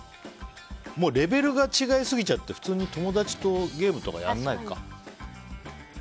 もうレベルが違いすぎちゃって友達と普通にゲームとかやらないか。